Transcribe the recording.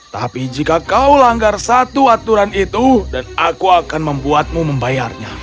tapi jika kau langgar satu aturan itu dan aku akan membuatmu membayarnya